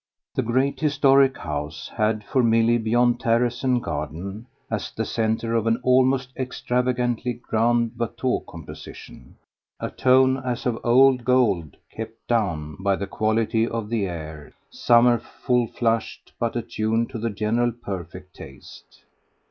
The great historic house had, for Milly, beyond terrace and garden, as the centre of an almost extravagantly grand Watteau composition, a tone as of old gold kept "down" by the quality of the air, summer full flushed but attuned to the general perfect taste.